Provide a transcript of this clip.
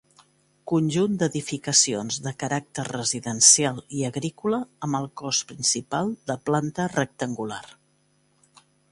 Conjunt d'edificacions de caràcter residencial i agrícola, amb el cos principal de planta rectangular.